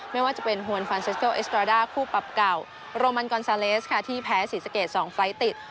ไม่ว่าจะเป็นฮวนฟานเซสโตเอสตราด้าคู่ปรับเก่าโรมันกอนซาเลสค่ะที่แพ้ศรีสะเกด๒ไฟล์ติด